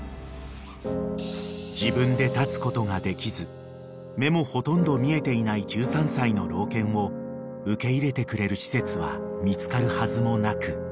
［自分で立つことができず目もほとんど見えていない１３歳の老犬を受け入れてくれる施設は見つかるはずもなく］